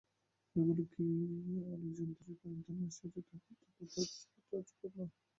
এগুলি যে আলেক-জান্দ্রিয়ার মাধ্যমে আসিয়াছে, তাহা অত্যন্ত তাৎপর্যপূর্ণ।